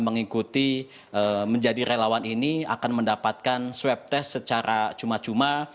mengikuti menjadi relawan ini akan mendapatkan swab test secara cuma cuma